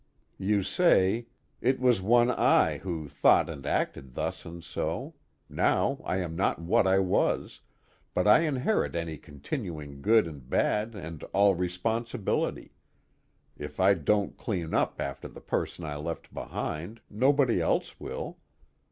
You say: It was one I who thought and acted thus and so; now I am not what I was, but I inherit any continuing good and bad and all responsibility: if I don't clean up after the person I left behind, nobody else will.